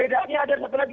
kebedaannya ada satu lagi